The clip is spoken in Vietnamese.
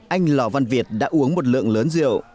anh lò văn việt đã uống một lượng lớn rượu